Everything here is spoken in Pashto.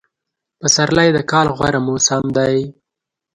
پسرلی دکال غوره موسم دی